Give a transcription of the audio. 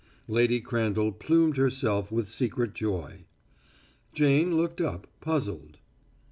Lady Crandall plumed herself with secret joy. Jane looked up, puzzled.